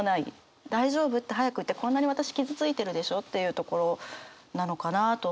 大丈夫？って早く言ってこんなに私傷ついてるでしょというところなのかなと思うので。